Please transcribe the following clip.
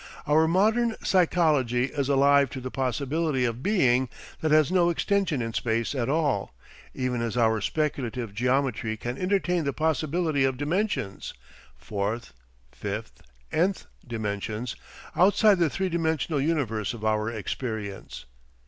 Our modern psychology is alive to the possibility of Being that has no extension in space at all, even as our speculative geometry can entertain the possibility of dimensions fourth, fifth, Nth dimensions outside the three dimensional universe of our experience.